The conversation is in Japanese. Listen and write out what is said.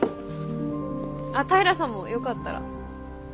あ平さんもよかったら。